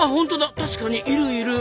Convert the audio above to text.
確かにいるいる！